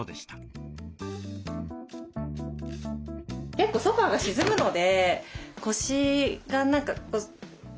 結構ソファーが沈むので。